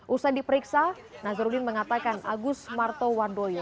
usah diperiksa nazarudin mengatakan agus martowadoyo